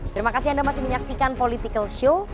terima kasih anda masih menyaksikan political show